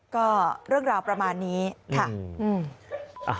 ก็เรื่องราวประมาณนี้ค่ะ